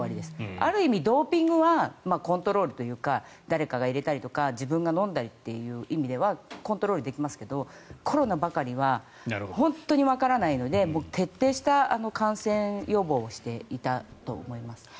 ある意味、ドーピングはコントロールというか誰かが入れたりとか自分が飲んだりという意味ではコントロールできますがコロナばかりは本当にわからないので徹底した感染予防をしていたと思います。